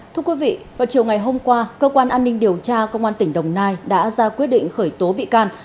thưa quý vị vào chiều ngày hôm qua cơ quan an ninh điều tra công an tỉnh đồng nai đã ra quyết định khởi tố bị can